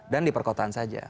dan di perkotaan saja